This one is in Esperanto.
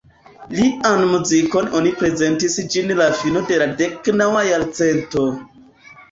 Lian muzikon oni prezentis ĝis la fino de la deknaŭa jarcento.